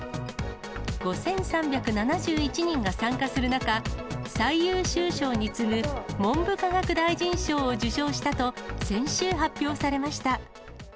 ５３７１人が参加する中、最優秀賞に次ぐ文部科学大臣賞を受賞したと、先週発表されました。